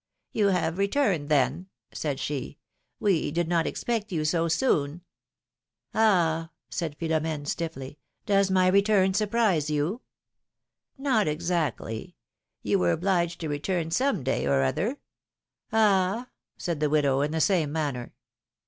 ^^You have returned, then!" said she; ^^we did not expect you so soon." ^^Ah!" said Philomdne, stiffly; ^^does my return sur prise you ?" Not exactly ; you were obliged to return some day or other." ^^Ah !" said the widow, in the same manner.